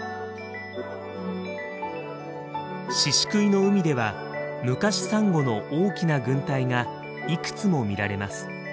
宍喰の海ではムカシサンゴの大きな群体がいくつも見られます。